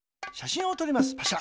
パシャ。